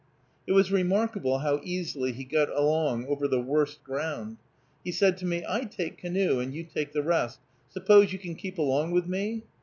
It was remarkable how easily he got along over the worst ground. He said to me, "I take canoe and you take the rest, suppose you can keep along with me?"